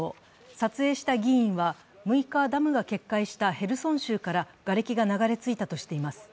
撮影した議員は、６日、ダムが決壊したヘルソン州からがれきが流れ着いたとしています。